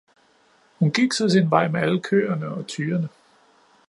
Hun gik så sin vej med alle køerne og tyrene.